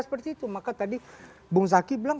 seperti itu maka tadi bung zaki bilang